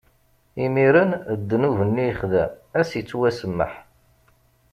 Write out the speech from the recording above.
Imiren ddnub-nni yexdem ad s-ittwasemmeḥ.